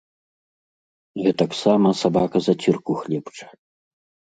Гэтаксама сабака зацірку хлебча.